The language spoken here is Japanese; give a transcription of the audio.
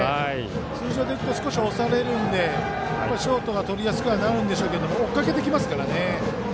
通常ですと少し押されるのでショートがとりやすくなりますが追っかけてきますからね。